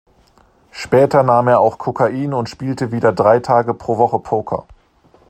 Später nahm er auch Kokain und spielte wieder drei Tage pro Woche Poker.